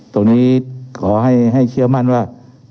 ตรงนี้ขอให้เชียวมั่นว่า